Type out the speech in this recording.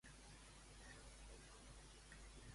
Com diu que ens arriben les coses dolentes, a nosaltres?